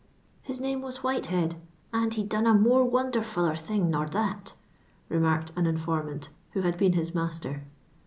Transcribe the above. " His name was Whitehead, and he done a more wonderfuUer thing nor that," remarked an informftiit, who had been his master.